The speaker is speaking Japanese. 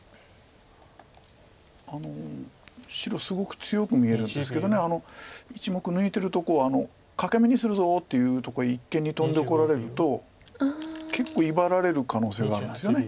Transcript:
白すごく強く見えるんですけど１目抜いてるとこを欠け眼にするぞっていうとこ一間にトンでこられると結構威張られる可能性があるんですよね。